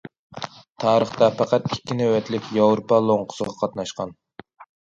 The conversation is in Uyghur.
تارىختا پەقەت ئىككى نۆۋەتلىك ياۋروپا لوڭقىسىغا قاتناشقان.